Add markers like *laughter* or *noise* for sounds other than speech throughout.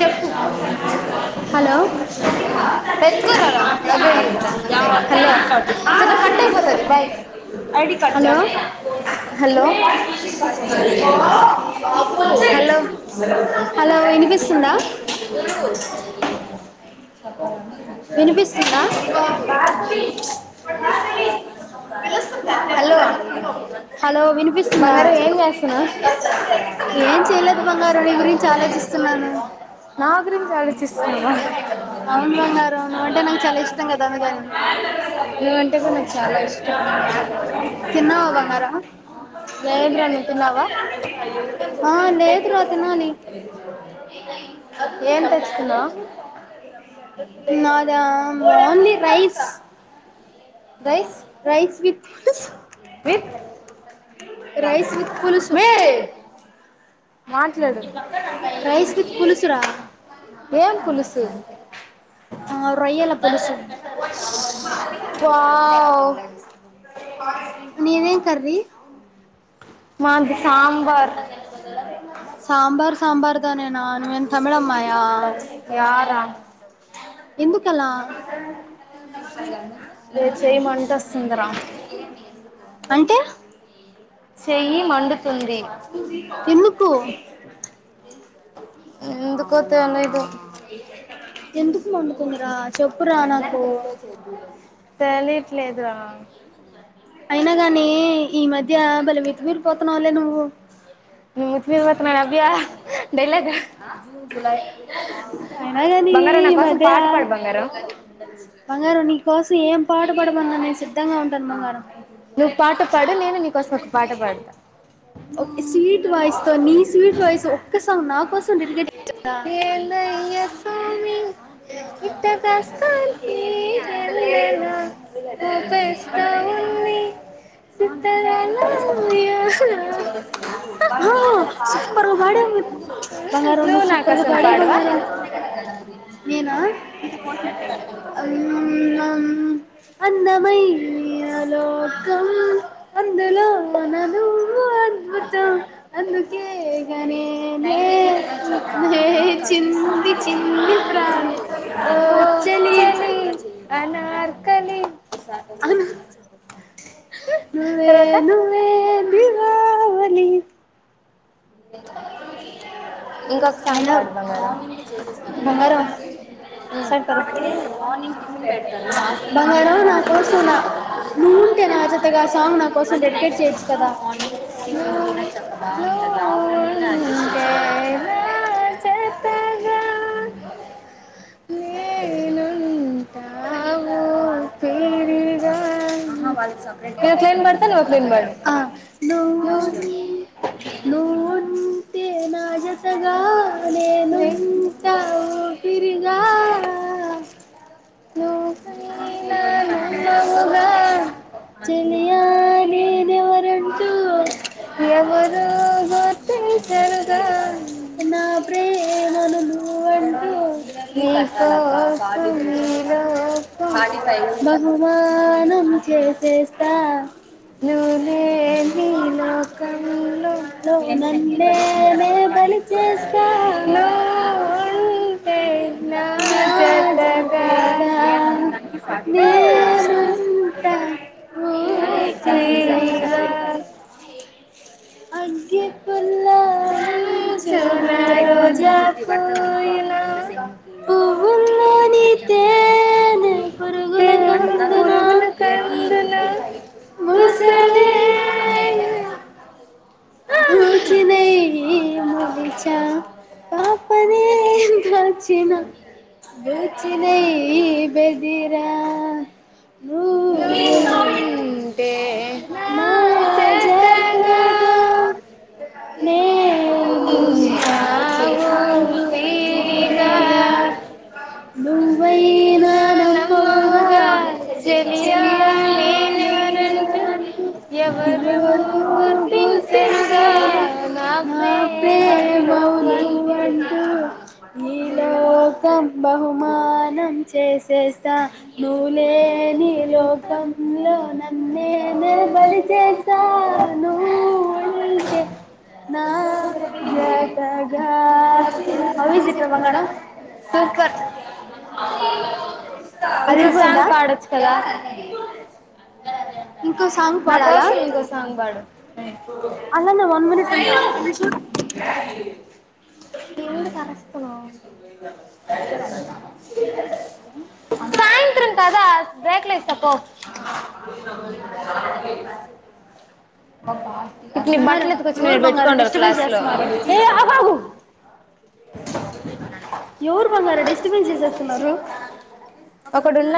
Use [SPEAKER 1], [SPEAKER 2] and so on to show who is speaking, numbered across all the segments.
[SPEAKER 1] చెప్పు ఎత్తుకో రా రా హలో కట్ అయిపోతాది బాయ్ హలో
[SPEAKER 2] హలో వినిపిస్తుందా
[SPEAKER 1] వ
[SPEAKER 2] వినిపిస్తుందా హలో వినిపిస్తుందా
[SPEAKER 1] నా గురించి ఆలోచిస్తున్నావా
[SPEAKER 2] అవును బంగార్ రం నువ్వంటే నాకు చాలా ఇష్టం కదా అందుకని తిన్నావా బంగారం
[SPEAKER 1] లేదు రా నువ్వు తిన్నావా ఏం తెచ్చుకున్నావ్ డా పో రాస
[SPEAKER 2] రైస్ విత్ రైస్ విత్ పులుసు
[SPEAKER 1] మాట్లాడు ఏం పులుసు
[SPEAKER 2] ఆ రొయ్యాల పులుసు నీది ఏం కర్రీ
[SPEAKER 1] మాది సాంబార్
[SPEAKER 2] సాంబార్ దానేనా నువ్వేం తమిళమ్మాయా
[SPEAKER 1] రే చేయి మంటస్తుంది రా
[SPEAKER 2] అంటే
[SPEAKER 1] చెయ్యి మండు
[SPEAKER 2] ఎందుకు
[SPEAKER 1] ఎందుకో తెలీదు
[SPEAKER 2] ఎందుకు మండుతుందిరా
[SPEAKER 1] తెలిట్లేదు రా
[SPEAKER 2] అయినా గాని ఈ మధ్య బలేమితిమీరిపోతున్నా నువ్వు
[SPEAKER 1] నవ్య డైలా బంగారం నా కోసం పా పాడు బంగారం
[SPEAKER 2] బంగారం నీకోసం ఏం పాట పడమన్నా నేను సిద్ధంగా ఉంటాను బంగారం
[SPEAKER 1] నువ్వు పాట పాడు నేను నీకోసం ఒక పాట పాడతా
[SPEAKER 2] స్వీట్ వాయిస్ తో నీ స్వీట్ వాయిస్ ఒక్క సాంగ్ నా కోసం డెడికేట్
[SPEAKER 1] ఏందయ్యా స్వామి
[SPEAKER 2] ఏంటి అంత లేరు ఎ
[SPEAKER 1] చిత్తరాలా ఉయ్యాల
[SPEAKER 2] సూపర్ గా పాడవు బంగారంన్న సూపర్గా పాడవు బంగారు నేనా
[SPEAKER 1] అ కో *unintelligible*
[SPEAKER 2] అ అందమైన లోకం అందులో నను అద్భుతం అందు
[SPEAKER 1] నై ఆ
[SPEAKER 2] ఆ
[SPEAKER 1] చెలి అనార్కలి తర్వాత ఆ అ ఇంకొక సాంగ్ పాడు బంగారం అంటే మార్నింగ్ టిఫిన్ పెడతాడు హాస్టల్ నుంచి కూడా మార్నింగ్ ఫన్ అది నైట్ మార్నింగ్ చెప్పదా
[SPEAKER 2] ఆ
[SPEAKER 1] ఆ నేనుంటా ఊపిరిగా తిరిగా
[SPEAKER 2] నువ్వుంటే నువ్వుంటే నా జతగా తగా నేనుంటా ఊపిరిగా
[SPEAKER 1] నువ్వైనా నమ్మవుగా
[SPEAKER 2] చలియానే ఎవరు ఉంటే
[SPEAKER 1] ఎవరైనా గుర్తించరుగా
[SPEAKER 2] నా ప్రేమ
[SPEAKER 1] నీకోసం ఈరోజు
[SPEAKER 2] బహుమానం చేసేస్తా
[SPEAKER 1] నీ లోకంలో నువ్వుంటే
[SPEAKER 2] ఆ
[SPEAKER 1] జతగా నేనుంటా ఊపిరిగా
[SPEAKER 2] అగ్గిపుల్ల అంచున
[SPEAKER 1] నా రోజా పోయిన ఆ *unintelligible*
[SPEAKER 2] బుసలే భూచ న చ్చ పాప నే దోచిన వచిన బెదిరా *unintelligible* *unintelligible* అరగా నువ్వైనా నమ్మవుగా చెలియా నేనెవరన్
[SPEAKER 1] ఎవరూ గుర్తించరుగా నా
[SPEAKER 2] ప్రేమౌ నువ్వంటూ నీ లోకం బహుమానం చేసేస్తా నువ్ లే లేని లోకంలో నన్నే నేను
[SPEAKER 1] *unintelligible*
[SPEAKER 2] జతగా హావ్ ఇస్ ఇట్ రా బంగారం
[SPEAKER 1] ఇంకో సాంగ్ పాడొచ్చు కదా నా కోసం ఇంకో సాంగ్ పాడు
[SPEAKER 2] అల్లనె వన్ మినిట్ ఉండురా *unintelligible*
[SPEAKER 1] సాయ్ త్రం కదా బ్రేక్ల ఇస్త పో ఇప్పు ని బట్లు ఇప్పుకొచ్చినయ్ ఈడ్ పెట్టు అంటారు క్లాస్ లో
[SPEAKER 2] యెవరు బంగారి డిస్టబెన్స్ చేసేస్తున్నారు అక్కడున్నా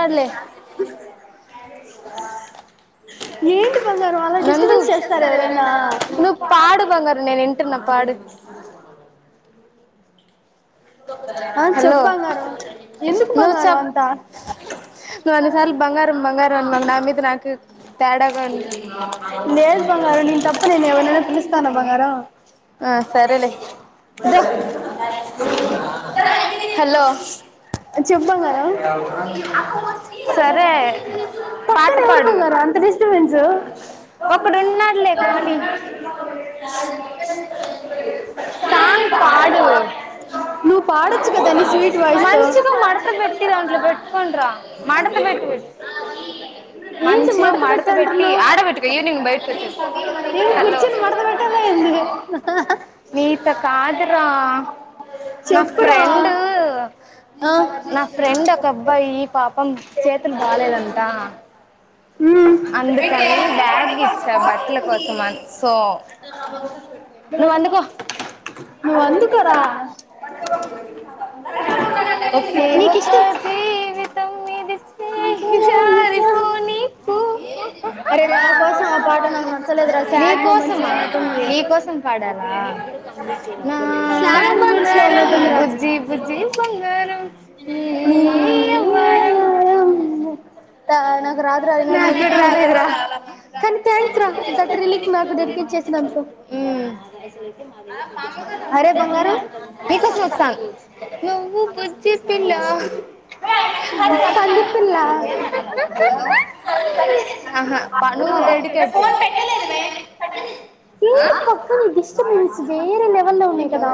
[SPEAKER 2] ఏంటి బంగారం అలా డిస్టర్బెన్స్ చేస్తార ఎవరైనా *inaudible* అ చెప్ బంగారం ఎందుకు బంగారం అంతా
[SPEAKER 1] నువ్వు అన్ని సార్లు బంగారం బంగారం అనమాకు నా మీద నాకె తేడా గా ఉంది ఆ సరేలే ఇదో హలో సరే పాట పాడు ఒకడున్నాడులే కానీ సాంగ్ పాడు మంచిగ మడతబెట్టి దంట్లో పెట్టుకొండ్రా మడత బె మంచిగ మడ తబెట్టి ఆడ బెట్టుకొ ఈవనింగ్ బయట *unintelligible* హలో నీతో కాదురా నా ఫ్రెండూ నా ఫ్రెండ్ ఒక అబ్బాయి పాపం చేతులు బాలేదంటా అందుకనీ బ్యాగ్ ఇచ్చా బట్ల కోసం అన్ సో
[SPEAKER 2] నువ్ అందుకరా
[SPEAKER 1] ఓకే ఒక జీవిత తం ఇది చేయి జారి పోనీ కు నీకోసమా మీకోసం పాడాలా నా బంగ్ గారం బుజ్జి బుజ్జీ బంగారం నీ యెవ్వారం
[SPEAKER 2] ముక్ ఆ నాకు రాదురా *unintelligible* కానీ థ్యాంక్స్ రా, ద త్రిలీక్ మాకు డెడికెట్ చేసినందుకు. అరే బంగారు *unintelligible* పంది పిల్లా ఫోన్ పెట్టలేదు మే ఏంటి పక్కన డిస్టబెన్స్ వేరే లెవెల్ లో ఉన్నాయ్ కదా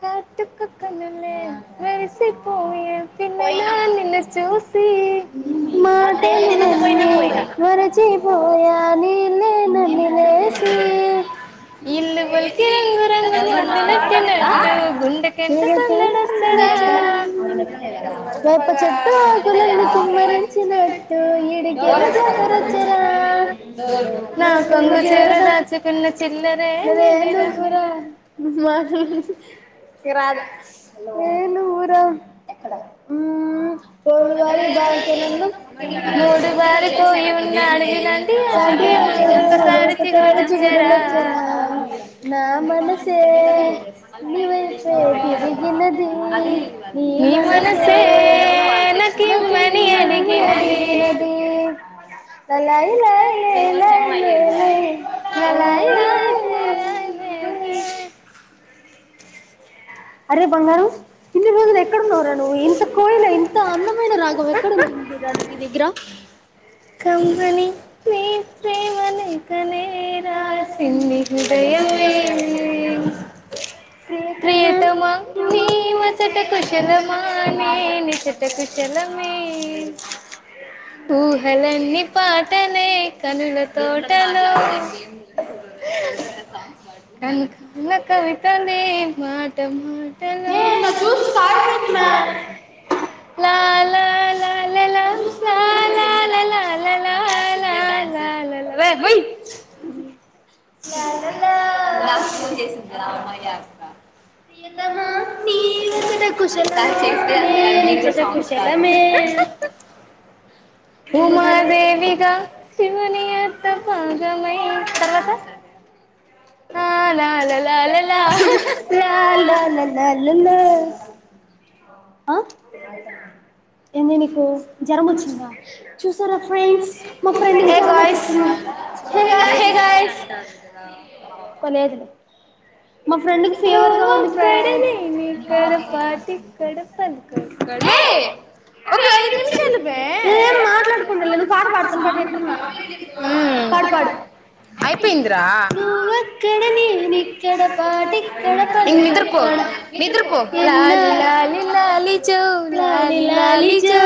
[SPEAKER 1] కాటుక కనులే మెరిసిపోయే పిల్లాడా నినుచూసి
[SPEAKER 2] మాటలు అన్ని మరిచిపోయా నీళ్లే నమిలేసి
[SPEAKER 1] ఇల్లు ఓలికి రంగు రంగు ముగ్గులెట్టినట్టు గుండెకెంత సందడొచ్చరా
[SPEAKER 2] ఆపచెట్లు ఆకులన్నీ కుమారిచినట్టు ఈడుకేమో జాతరోచేరా రా నా కొంగు చివర దాచుకున్న చిల్లరే నువ్వు రా మా ఇంకా రాదు చిల్లరే నువ్వు రా ఉమ్మ్ రోజువారీ భాషనుండు చా *unintelligible* మొదటి సారి చిగురులొచ్చారా నా మనసే
[SPEAKER 1] ఫెస్ అదే
[SPEAKER 2] నీ మనసే నాకీ మని అడిగినదే లలాయి లై లె లై లె
[SPEAKER 1] లలాయి లై లె లై లె
[SPEAKER 2] లై అరే బంగారం ఇన్ని రోజులు ఎక్కడున్నావవు రా నువ్వు ఇంత కోయిల ఇంత అందమైన రాగం ఎక్కడుందిరా ని దగ్గర
[SPEAKER 1] కామ్మని ని ప్రేమాలేఖ లే రాసింది హృదయమే ప్రియతమా నివ్వు వా అచట కుశలమా నే ఇచట కుశలమే ఊహలన్నీ పాటలే కనుల తోటలో కన్న కవితనే మాట మా
[SPEAKER 2] మే చుసి పాటపోయింది మే
[SPEAKER 1] లా లా లలే
[SPEAKER 2] *inaudible*
[SPEAKER 1] లాల లా లా లా మే ముయ్ నాకు ఫోన్ చేసింది రా అమ్మాయి *inaudible* ఇది స్టార్ట్ చేస్తే ఆ అమ్మి కూడా సాంగ్స్ స్టార్ట్ చేసింది ఉమాదేవిగా శివుని అర్ధ భాగమై
[SPEAKER 2] *inaudible* లా లాల లా లా ఆ ఎంది నీకు జ్వరం వచ్చిందా చూసారా ఫ్రెండ్స్ మా ఫ్రెండ్ కి జ్వరం వచ్చేసింది అంట
[SPEAKER 1] హే గైస్
[SPEAKER 2] కో లేదు మా ఫ్రెండ్ కి ఫీవర్ గా ఉంది ఫ్రెండ్స్
[SPEAKER 1] మే ఒక ఐదు నిమిషాలు మే పాటపాడు అయిపోయింది రా ఇంగ్ నిద్ర పో నిద్రపో లాలి లాలి లాలి జో లాలీ లాలీ జో